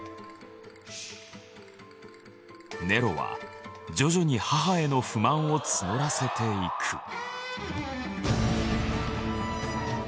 ネロは徐々に母への不満を募らせていく。